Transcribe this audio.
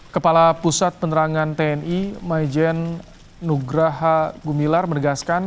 kepala pusat penerangan tni maijen nugraha gumilar menegaskan